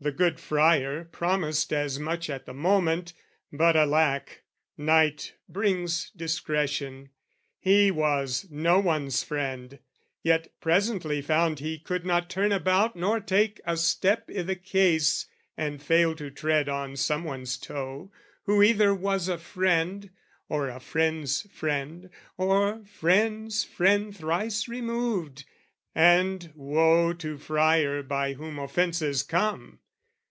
The good friar Promised as much at the moment; but, alack, Night brings discretion: he was no one's friend, Yet presently found he could not turn about Nor take a step i' the case and fail to tread On someone's toe who either was a friend, Or a friend's friend, or friend's friend thrice removed, And woe to friar by whom offences come!